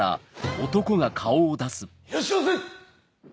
いらっしゃいませ！